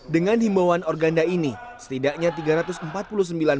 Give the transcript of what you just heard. dengan himbauan organda ini setidaknya tiga ratus empat puluh sembilan orang